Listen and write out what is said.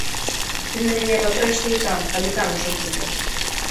Ты на мяне абапрэшся і там, калі там ужо будзем.